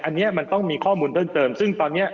อันเนี่ยมันต้องมีข้อมูลเติมซึ่งตอนเนี้ย